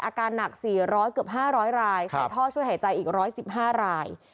อาการหนัก๔๐๐เกือบ๕๐๐รายใส่ท่อช่วยหายใจอีก๑๑๕ราย